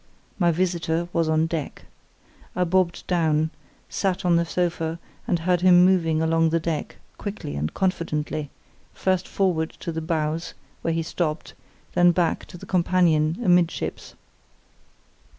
My visitor was on deck. I bobbed down, sat on the sofa, and I heard him moving along the deck, quickly and confidently, first forward to the bows, where he stopped, then back to the companion amidships.